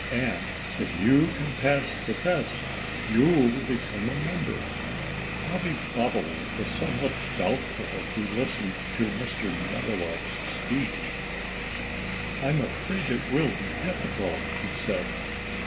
And if you can pass the test you'll become a member." Bobby Bobolink was somewhat doubtful as he listened to Mr. Meadowlark's speech. "I'm afraid it will be difficult," he said.